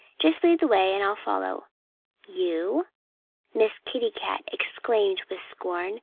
"Just lead the way and I'll follow." "You?" Miss Kitty Cat exclaimed with scorn.